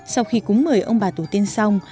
sau khi cúng mời ông bà tổ tiên xong